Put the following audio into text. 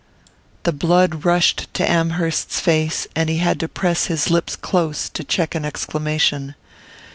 The blood rushed to Amherst's face, and he had to press his lips close to check an exclamation.